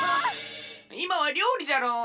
いまはりょうりじゃろ！